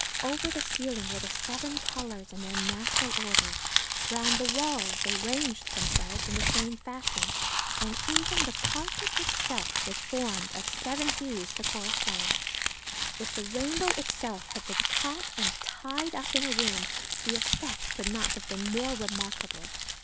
Over the ceiling were the seven colours in their natural order. Round the walls they ranged themselves in the same fashion, and even the carpet itself was formed of seven hues to correspond. If the rainbow itself had been caught and tied up in a room, the effect could not have been more remarkable.